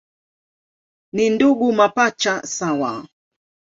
Ni ndugu mapacha sawa.